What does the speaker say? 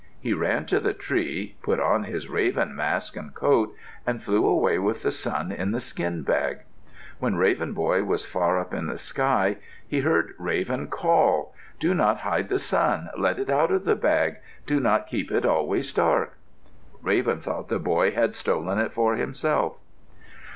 He ran to the tree, put on his raven mask and coat, and flew far away with the sun in the skin bag. When Raven Boy was far up in the sky, he heard Raven call, "Do not hide the sun. Let it out of the bag. Do not keep it always dark." Raven thought the boy had stolen it for himself.